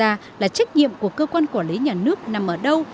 ngoài ra là trách nhiệm của cơ quan quản lý nhà nước nằm ở đâu